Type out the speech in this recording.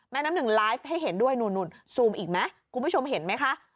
น้ำหนึ่งไลฟ์ให้เห็นด้วยนู่นซูมอีกไหมคุณผู้ชมเห็นไหมคะ